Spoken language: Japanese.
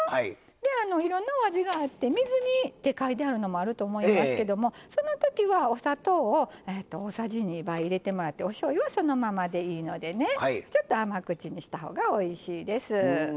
いろんなお味があって水煮って書いてあるのもあると思いますけどもそのときはお砂糖を大さじ２入れてもらっておしょうゆはそのままでいいのでねちょっと甘口にしたほうがおいしいです。